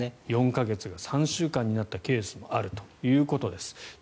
４か月が３週間になったケースもあるということです。